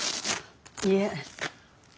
いえ。